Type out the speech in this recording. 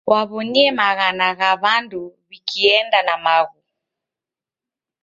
Waw'onie maghana gha w'andu w'ikienda na maghu.